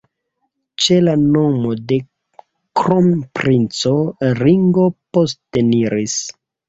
Ĉe la nomo de kronprinco Ringo posteniris.